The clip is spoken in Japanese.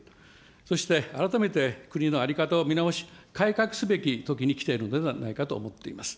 そして、改めて国の在り方を見直し、改革すべきときにきているのではないかと思っています。